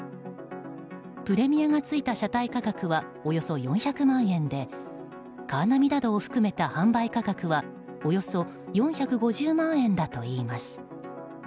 プレミアがついた車体価格はおよそ４００万円でカーナビなどを含めた販売価格はおよそ４５０万円だといいます。